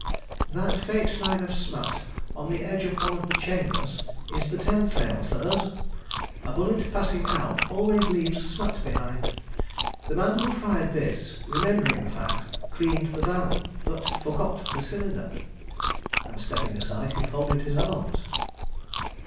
"That faint line of smut, on the edge of one of the chambers, is the telltale, sirs. A bullet passing out always leaves smut behind. The man who fired this, remembering the fact, cleaned the barrel, but forgot the cylinder." And stepping aside he folded his arms.